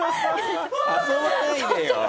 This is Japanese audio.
遊ばないでよ。